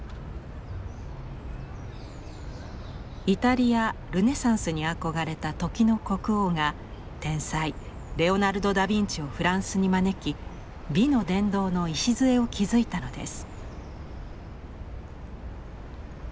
イタリア・ルネサンスに憧れた時の国王が天才レオナルド・ダ・ヴィンチをフランスに招き美の殿堂の礎を築いたのです。